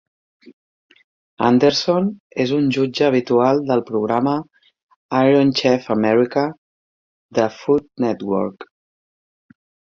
Anderson és un jutge habitual del programa "Iron Chef America" de Food Network.